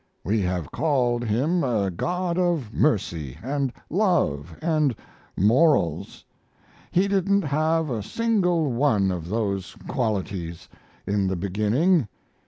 We have called Him a God of mercy and love and morals. He didn't have a single one of those qualities in the beginning.